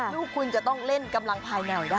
ลูกคุณจะต้องเล่นกำลังภายแนวได้